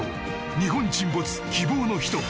「日本沈没−希望のひと−」